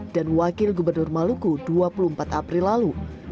dan wakil gubernur maluku dua puluh empat april lalu